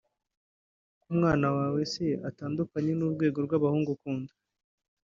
ko umwana wawe se atandukanye n’urwego rw’abahungu ukunda